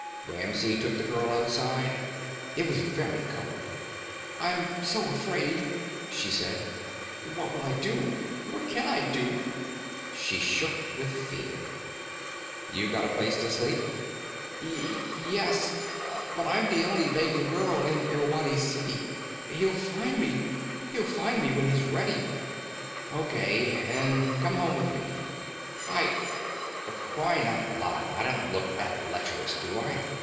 Ramsey took the girl outside. It was very cold. "I'm so afraid," she said. "What will I do? What can I do?" She shook with fear. "You got a place to sleep?" "Y yes, but I'm the only Vegan girl in Irwadi City. He'll find me. He'll find me when he's ready." "O.K. Then come home with me." "I " "For crying out loud, I don't look that lecherous, do I?